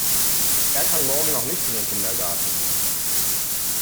Er kann morgen noch nicht in den Kindergarten.